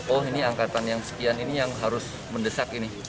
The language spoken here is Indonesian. oh ini angkatan yang sekian ini yang harus mendesak ini